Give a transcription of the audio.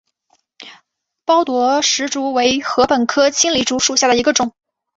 包箨矢竹为禾本科青篱竹属下的一个种。